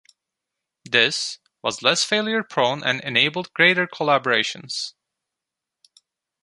This was less failure-prone and enabled greater collaborations.